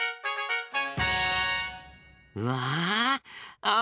うわあ！